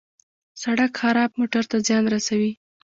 سړک خراب موټر ته زیان رسوي.